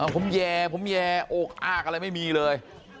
ผมแย่ผมแย่โอกอากอะไรไม่มีเลย